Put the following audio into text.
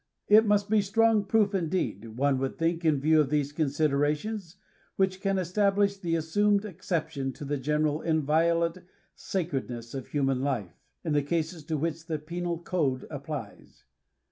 It must be strong proof indeed, one would think in vie\<^ of these considerations, which can estab lish the assumed exception to the general inviolate sacrednesa of human life, in the cases to which the penal code applies.